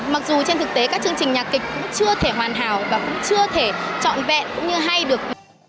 mặc dù trên thực tế các chương trình nhạc kịch cũng chưa thể hoàn hảo và cũng chưa thể trọn vẹn cũng như hay được